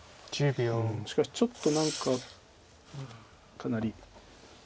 しかしちょっと何かかなり。